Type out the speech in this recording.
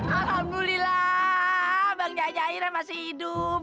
alhamdulillah bang jaja akhirnya masih hidup